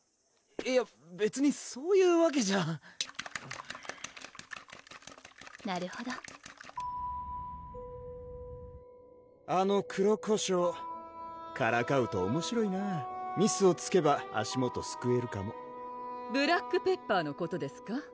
いや別にそういうわけじゃなるほどあの黒こしょうからかうとおもしろいなミスをつけば足元すくえるかもブラックペッパーのことですか？